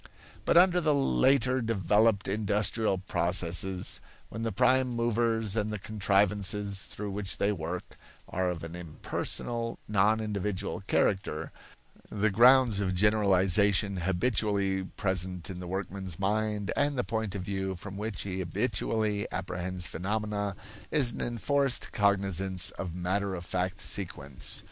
But under the later developed industrial processes, when the prime movers and the contrivances through which they work are of an impersonal, non individual character, the grounds of generalization habitually present in the workman's mind and the point of view from which he habitually apprehends phenomena is an enforced cognizance of matter of fact sequence.